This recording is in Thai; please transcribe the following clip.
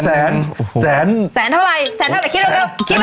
แสนเท่าไหร่แสนเท่าไหร่คิดเร็ว